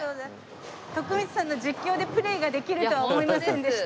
徳光さんの実況でプレーができるとは思いませんでした。